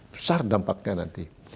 besar dampaknya nanti